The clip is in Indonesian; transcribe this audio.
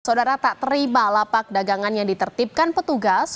saudara tak terima lapak dagangan yang ditertipkan petugas